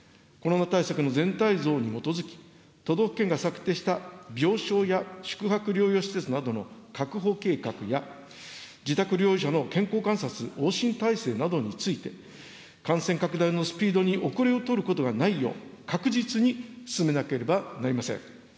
コロナ対策の全体像に基づき、都道府県が策定した病床や宿泊療養施設などの確保計画や、自宅療養者の健康観察、往診体制について、感染拡大のスピードに後れを取ることがないよう、確実に進めなければなりません。